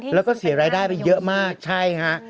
แล้วก็เสียรายได้ไปเยอะมากใช่ฮะ